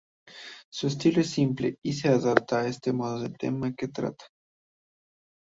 Su estilo es simple y se adapta de ese modo al tema que trata.